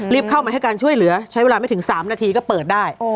เข้ามาให้การช่วยเหลือใช้เวลาไม่ถึง๓นาทีก็เปิดได้